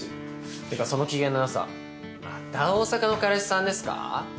てかその機嫌のよさまた大阪の彼氏さんですか？